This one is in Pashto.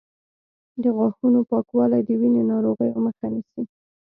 د غاښونو پاکوالی د وینې ناروغیو مخه نیسي.